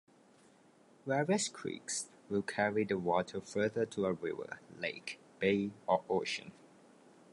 Various creeks will carry the water further to a river, lake, bay, or ocean.